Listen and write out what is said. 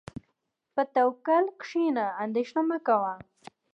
په توکل کښېنه، اندېښنه مه کوه.